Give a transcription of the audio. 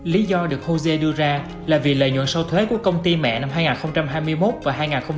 lý do được hồ sê đưa ra là vì lợi nhuận sau thuế của công ty mẹ năm hai nghìn hai mươi một và hai nghìn hai mươi hai